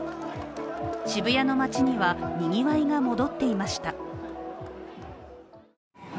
渋谷の街にはにぎわいが戻っていました。